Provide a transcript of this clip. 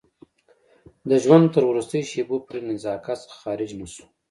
د ژوند تر وروستیو شېبو پورې له نزاکت څخه خارج نه شو.